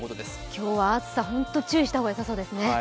今日は暑さ、本当に注意した方がよさそうですね。